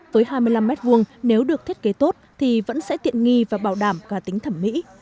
với hai mươi năm m hai nếu được thiết kế tốt thì vẫn sẽ tiện nghi và bảo đảm cả tính thẩm mỹ